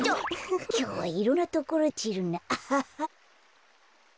きょうはいろんなところでおちるなあ。